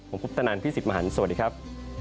ผมคุปตะนันพี่สิทธิมหันฯสวัสดีครับ